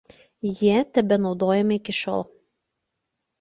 Jie tebenaudojami iki šiol.